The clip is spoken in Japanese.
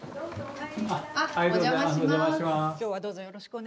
はい。